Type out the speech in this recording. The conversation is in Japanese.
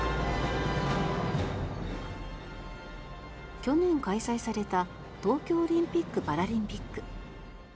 去年開催された東京オリンピック・パラリンピック。